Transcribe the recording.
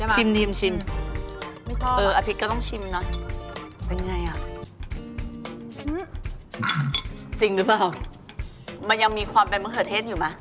ชิมได้ป่ะอัพริกก็ต้องชิมเนอะเป็นไงอ่ะจริงหรือเปล่ามันยังมีความเป็นมะเขือเทศอยู่มั้ย